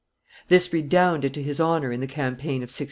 This redounded to his honor in the campaign of 1674.